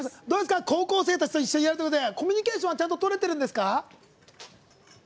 高校生たちと一緒にやるということでコミュニケーションはちゃんと、とれてるんですか？